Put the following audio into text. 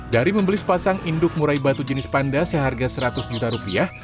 dari membeli sepasang induk murai batu jenis panda seharga seratus juta rupiah